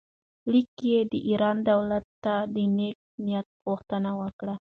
لیک کې یې د ایران دولت ته د نېک نیت غوښتنه وکړه.